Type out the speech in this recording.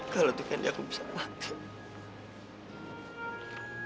kalau itu candy aku bisa panggil